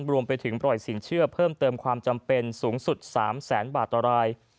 รวมไปถึงปล่อยสินเชื่อเพิ่มเติมความจำเป็นสูงสุด๓แสนบาทต่อราย